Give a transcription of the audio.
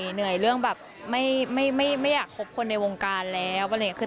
เหนื่อยเรื่องแบบไม่อยากคบคนในวงการแล้วอะไรอย่างนี้คือ